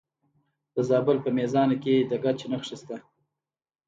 د زابل په میزانه کې د ګچ نښې شته.